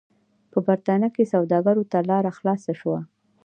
په برېټانیا کې سوداګرو ته لار خلاصه شوه.